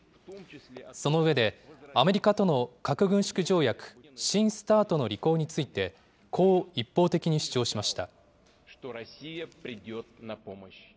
その上で、アメリカとの核軍縮条約、新ＳＴＡＲＴの履行について、こう一方的に主張しました。